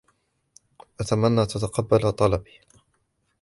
أتمنى أن تتقبل طلبي.